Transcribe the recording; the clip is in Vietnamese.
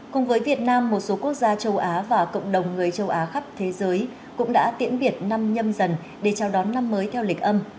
cùng với việt nam một số quốc gia châu á và cộng đồng người châu á khắp thế giới cũng đã tiễn biệt năm nhâm dần để chào đón năm mới theo lịch âm